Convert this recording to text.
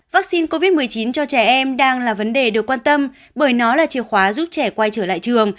vaccine covid một mươi chín cho trẻ em đang là vấn đề được quan tâm bởi nó là chìa khóa giúp trẻ quay trở lại trường